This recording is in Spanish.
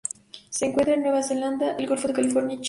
Se encuentran en Nueva Zelanda, el Golfo de California y Chile.